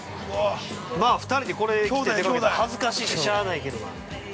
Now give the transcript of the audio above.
◆まあ、２人でこれ着て出かけたら恥ずかしいてしゃあないけどな。